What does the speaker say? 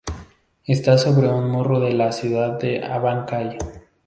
Está sobre un morro de la ciudad de Abancay.